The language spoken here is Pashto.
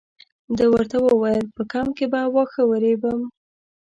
ده ورته وویل په کمپ کې به واښه ورېبم.